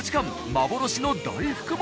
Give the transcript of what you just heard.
幻の大福も。